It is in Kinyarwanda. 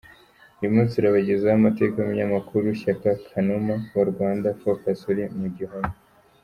Uyu munsi turabagezaho Amateka y’Umunyamakuru Shyaka Kanuma wa Rwanda Focus uri mu gihome.